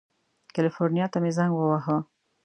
کلیفورنیا ته مې زنګ ووهه.